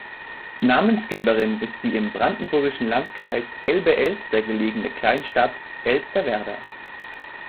Namensgeberin ist die im brandenburgischen Landkreis Elbe-Elster gelegene Kleinstadt Elsterwerda.